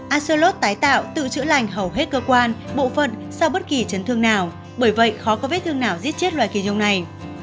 asollot tái tạo tự chữa lành hầu hết cơ quan bộ phận sau bất kỳ chấn thương nào bởi vậy khó có vết thương nào giết chết loài kỳ dung này